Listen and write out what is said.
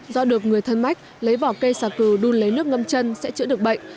do được người thân mách lấy vỏ cây xà cừu đun lấy nước ngâm chân sẽ chữa được bệnh